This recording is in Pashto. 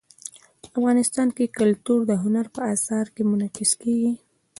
افغانستان کې کلتور د هنر په اثار کې منعکس کېږي.